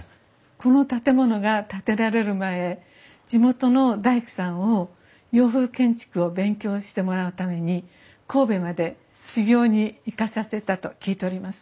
この建物が建てられる前地元の大工さんを洋風建築を勉強してもらうために神戸まで修業に行かさせたと聞いております。